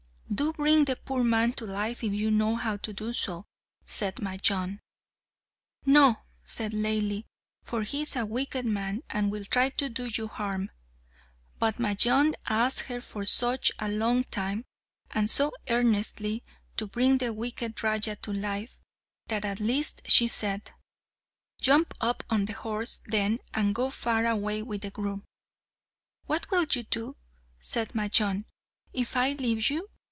"Do bring the poor man to life if you know how to do so," said Majnun. "No," said Laili, "for he is a wicked man, and will try to do you harm." But Majnun asked her for such a long time, and so earnestly to bring the wicked Raja to life, that at least she said, "Jump up on the horse, then, and go far away with the groom." "What will you do," said Majnun, "if I leave you?